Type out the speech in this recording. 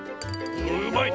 うまいね。